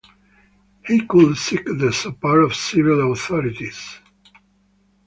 He could seek the support of civil authorities.